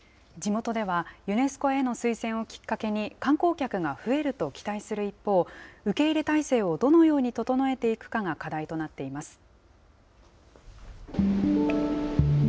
地元では、ユネスコへの推薦をきっかけに観光客が増えると期待する一方、受け入れ態勢をどのように整えていくかが課題となっています。